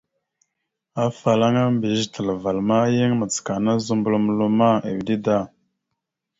Afalaŋa mbiyez talaval ma, yan macəkana zuməɓlom loma, ʉde da.